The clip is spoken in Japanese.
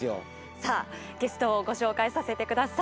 さあゲストをご紹介させて下さい。